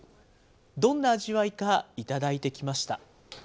どんな味わいか頂いてきました。